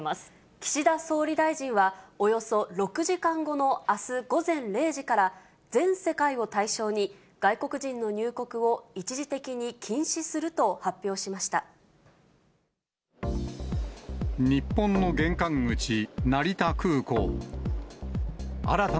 岸田総理大臣は、およそ６時間後のあす午前０時から、全世界を対象に、外国人の入国を一時的に禁止すると発表しました。